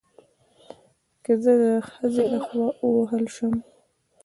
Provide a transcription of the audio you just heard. که زه د خځې له خوا ووهل شم